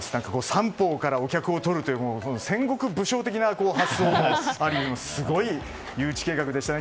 三方から客を取るという戦国武将的な発想も、ある意味すごい誘致計画でしたね。